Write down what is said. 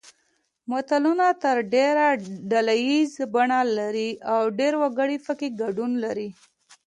متلونه تر ډېره ډله ییزه بڼه لري او ډېر وګړي پکې ګډون لري